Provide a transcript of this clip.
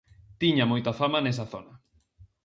Tiña moita fama nesa zona.